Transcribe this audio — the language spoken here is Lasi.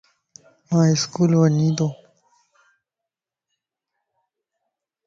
آن اسڪول وڃين تو